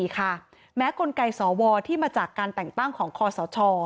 แม้กลไกสวที่มาจากการแต่งตั้งของคอสช